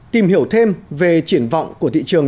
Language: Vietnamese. tìm hiểu thêm về triển vọng của thị trường